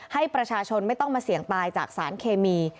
ให้ประชาชนไม่ต้องมาเสี่ยงตายจากสารเคมี